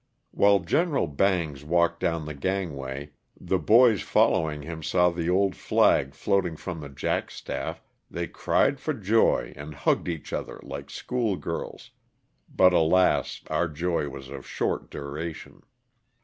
While Gen. Bangs walked down the gang way, the boys following him saw the old flag floating from the jackstaff, they cried for joy and hugged each other like school girls, but alas, our joy was of short duration.